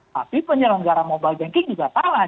tapi penyelenggara mobile banking juga salah